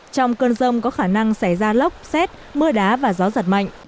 trong cơn rông có khả năng xảy ra lốc xét mưa đá và gió giật mạnh